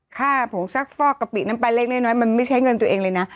ผงซักฟอกกะปิน้ำปลาเล็กน้อยมันไม่ใช้เงินตัวเองเลยนะ